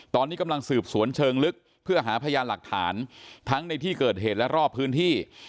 ตอนนี้กำลังสืบสวนเชิงลึกเพื่อหาพยานหลักฐานทั้งในที่เกิดเหตุและรอบพื้นที่